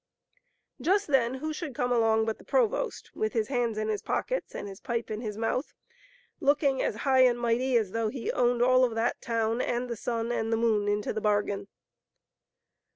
Just then who should come along but the provost, with his hands in his pockets and his pipe in his mouth, looking as high and mighty as though he owned all of that town and the sun and the moon into the bargain.